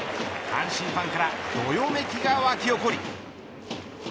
阪神ファンからどよめきが沸き起こり。